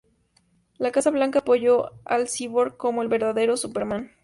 La Casa Blanca apoyó al Cyborg como el verdadero Superman.